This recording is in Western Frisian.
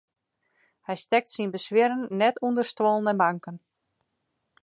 Hy stekt syn beswieren net ûnder stuollen en banken.